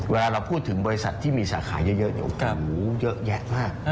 เวลาเราพูดถึงบริษัทที่มีสาขาเยอะเยอะแยะมาก